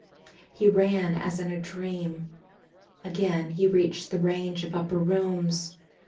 He ran as in a dream. Again he reached the range of upper rooms.